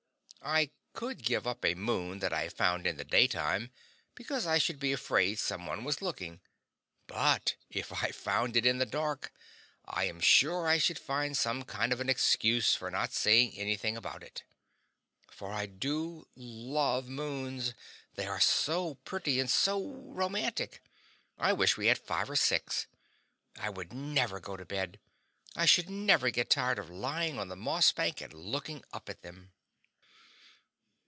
I could give up a moon that I found in the daytime, because I should be afraid some one was looking; but if I found it in the dark, I am sure I should find some kind of an excuse for not saying anything about it. For I do love moons, they are so pretty and so romantic. I wish we had five or six; I would never go to bed; I should never get tired lying on the moss bank and looking up at them.